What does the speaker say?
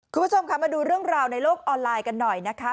คุณผู้ชมค่ะมาดูเรื่องราวในโลกออนไลน์กันหน่อยนะคะ